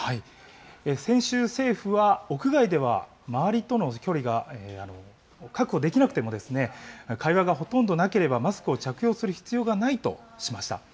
先週政府は、屋外では周りとの距離が確保できなくても、会話がほとんどなければ、マスクを着用する必要がないとしました。